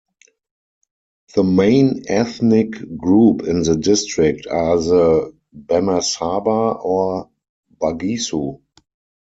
The main ethnic group in the district are the Bamasaba or Bagisu.